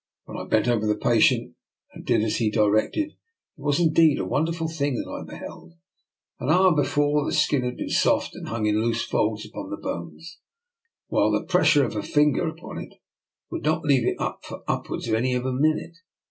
When I bent over the patient and did as he directed, it was indeed a wonder ful thing that I beheld. An hour before the skin had been soft and hung in loose folds upon the bones, while the pressure of a finger upon it would not leave it for upwards of a minute.